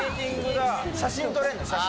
写真撮れるの、写真。